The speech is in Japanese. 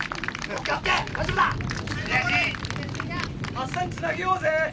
明日につなげようぜ！